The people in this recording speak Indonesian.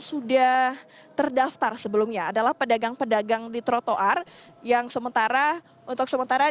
sudah terdaftar sebelumnya adalah pedagang pedagang di trotoar yang sementara untuk sementara